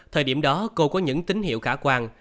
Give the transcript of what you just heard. thời điểm đó cô có những tín hiệu khả quan